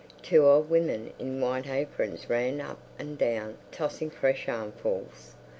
Two old women in white aprons ran up and down tossing fresh armfuls.